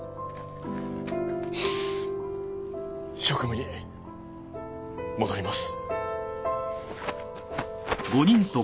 職務に戻ります。